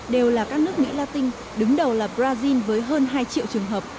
đều là các nước mỹ latin đứng đầu là brazil với hơn hai triệu trường hợp